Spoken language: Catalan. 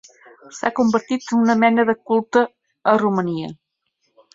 S'ha convertit en un mena de culte a Romania.